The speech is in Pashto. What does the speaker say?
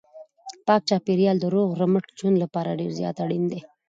پاک چاپیریال د روغ رمټ ژوند لپاره ډېر زیات اړین دی.